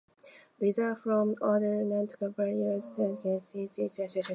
Results from other experiments by Belvedere and Foulkes were also negative.